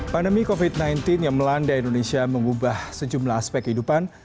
pandemi covid sembilan belas yang melanda indonesia mengubah sejumlah aspek kehidupan